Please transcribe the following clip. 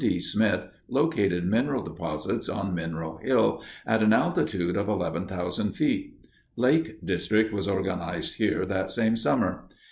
D. Smith located mineral deposits on Mineral Hill at an altitude of 11,000 feet. Lake District was organized here that same summer.